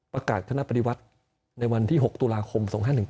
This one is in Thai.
คณะปฏิวัติในวันที่๖ตุลาคม๒๕๑๒